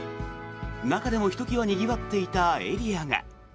中でもひときわにぎわっていたエリアが。